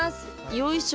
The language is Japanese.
よいしょ。